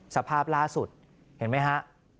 สภาพล่าสุดเห็นไหมฮะ